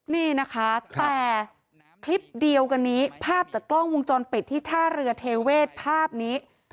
นี่นะคะแต่คลิปเดียวกันนี้ภาพจากกล้องวงจรปิดที่ท่าเรือเทเวศภาพนี้